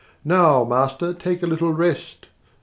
"Now, master, take a little rest!"